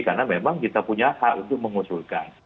karena memang kita punya hak untuk mengusulkan